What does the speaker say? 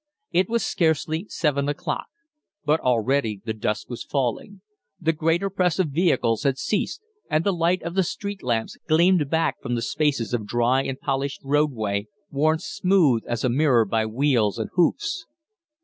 It was scarcely seven o'clock, but already the dusk was falling; the greater press of vehicles had ceased, and the light of the street lamps gleamed back from the spaces of dry and polished roadway, worn smooth as a mirror by wheels and hoofs.